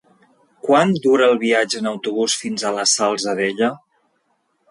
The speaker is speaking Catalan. Quant dura el viatge en autobús fins a la Salzadella?